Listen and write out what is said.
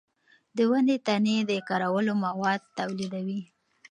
د ونو تنې د کارولو مواد تولیدوي.